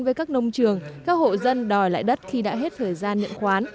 với các nông trường các hộ dân đòi lại đất khi đã hết thời gian nhận khoán